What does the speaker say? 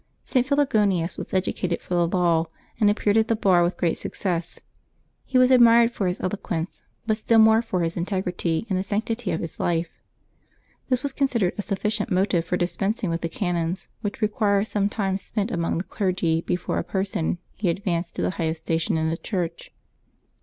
[T. Philogonius was educated for the law, and ap peared at the bar with great success. He was ad mired for his eloquence, but still more for his integrity and the sanctity of his life. This was considered a sufficient motive for dispensing with the canons, which require some time spent among the clergy before a person be advanced to the highest station in the Church.